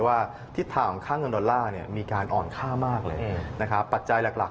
วันนี้พี่เอกเอาชาร์จอะไรมาฝากท่านผู้ชมครับ